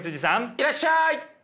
いらっしゃい。